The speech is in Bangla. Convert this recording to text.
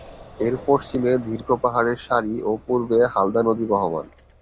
এর পশ্চিমে দীর্ঘ পাহাড়ের সারি ও পূর্বে হালদা নদী বহমান।